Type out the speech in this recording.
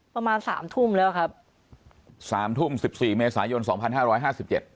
ประมาณสามทุ่มแล้วครับสามทุ่มสิบสี่เมษายนสองพันห้าร้อยห้าสิบเจ็ด